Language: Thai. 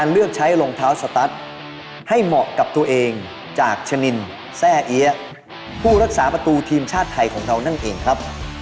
เลือกใช้รองเท้าสตัสให้เหมาะกับตัวเองจากชะนินแซ่เอี๊ยะผู้รักษาประตูทีมชาติไทยของเรานั่นเองครับ